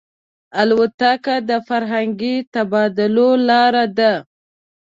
الوتکه د فرهنګي تبادلو لاره ده.